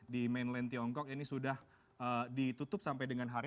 di mainland tiongkok ini sudah ditutup sampai dengan hari